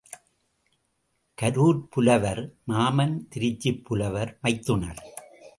கரூர்ப் புலவர், மாமன் திருச்சிப் புலவர், மைத்துனர்.